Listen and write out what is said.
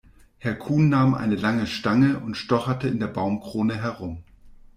Herr Kuhn nahm eine lange Stange und stocherte in der Baumkrone herum.